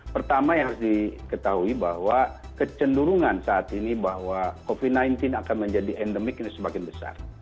pertama yang harus diketahui bahwa kecenderungan saat ini bahwa covid sembilan belas akan menjadi endemik ini semakin besar